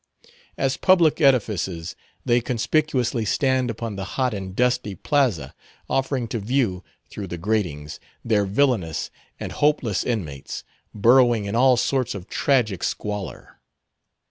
As public edifices they conspicuously stand upon the hot and dusty Plaza, offering to view, through the gratings, their villainous and hopeless inmates, burrowing in all sorts of tragic squalor.